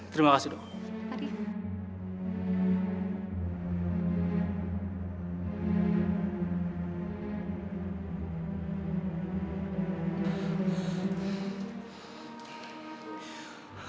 terima kasih dok